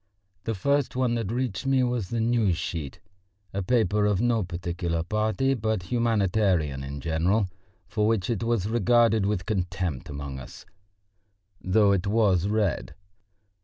The first one that reached me was the News sheet, a paper of no particular party but humanitarian in general, for which it was regarded with contempt among us, though it was read.